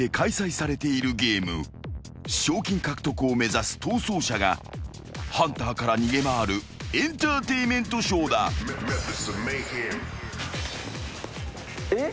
［賞金獲得を目指す逃走者がハンターから逃げ回るエンターテインメントショーだ］えっ？